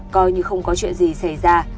coi như không có chuyện gì xảy ra